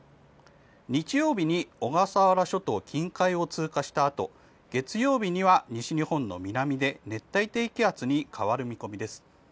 日曜日に小笠原諸島近海を通過したあと月曜日には西日本の南で熱帯低気圧に変わる見込みです。